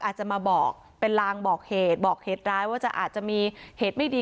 อาจจะมาบอกเป็นลางบอกเหตุบอกเหตุร้ายว่าจะอาจจะมีเหตุไม่ดี